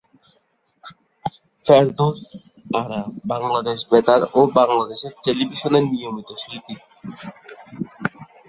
ফেরদৌস আরা বাংলাদেশ বেতার ও বাংলাদেশ টেলিভিশনের নিয়মিত শিল্পী।